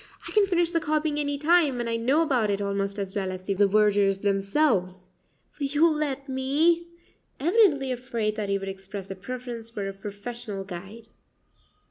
"I can finish the copying any time, and I know about it almost as well as the vergers themselves will you let me?" evidently afraid that he would express a preference for a professional guide.